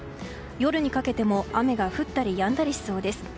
夜にかけても雨が降ったりやんだりしそうです。